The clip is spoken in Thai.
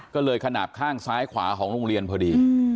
ก็เลยขนาดข้างซ้ายขวาของโรงเรียนพอดี